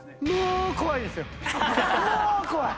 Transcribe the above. もう怖い！